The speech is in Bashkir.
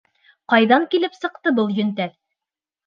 Ҡайҙан килеп сыҡты был йөнтәҫ?